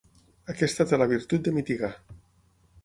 Aquesta té la virtut de mitigar.